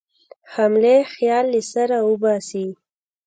حملې خیال له سره وباسي.